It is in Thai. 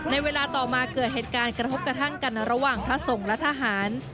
ในเวลาต่อมาเกิดเหตุการณ์กระทบกระทั่งกันระหว่างพระสงฆ์และทหาร